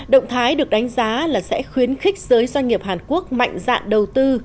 động thái được đánh giá là sẽ khuyến khích giới doanh nghiệp hàn quốc mạnh dạng đầu tư